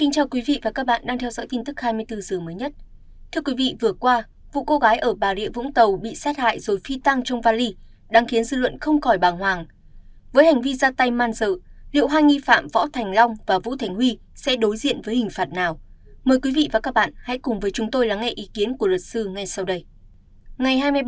các bạn hãy đăng ký kênh để ủng hộ kênh của chúng mình nhé